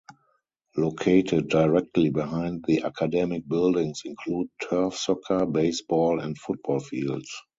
Located directly behind the academic buildings include turf soccer, baseball and football fields.